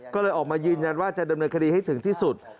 ก็เลยออกมายืนยันว่าจะดำเนินคดีให้ถึงที่สุด